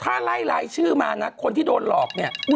ถ้าไล่หลายชื่อมาคนที่โดนหลอก